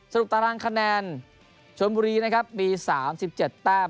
ตารางคะแนนชนบุรีนะครับมี๓๗แต้ม